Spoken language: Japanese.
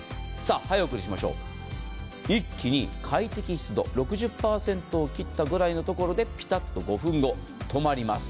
早送りしましょう、一気に快適湿度、６０％を切ったくらいのところでぴたっと５分後、止まります。